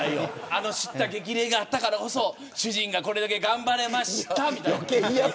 あの叱咤激励があったからこそ主人がこれだけ頑張れましたみたいな。